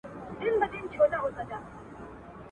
بیا نارې د یا قربان سوې له کیږدیو.